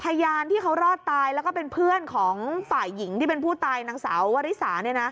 พยานที่เขารอดตายแล้วก็เป็นเพื่อนของฝ่ายหญิงที่เป็นผู้ตายนางสาววริสา